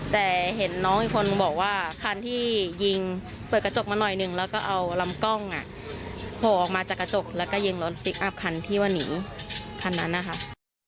แต่เห็นน้องอีกคนนึงบอกว่าคันที่ยิงเปิดกระจกมาหน่อยหนึ่งแล้วก็เอาลำกล้องโผล่ออกมาจากกระจกแล้วก็ยิงรถพลิกอัพคันที่ว่าหนีคันนั้นนะครับ